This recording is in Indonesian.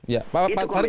ya pak syarif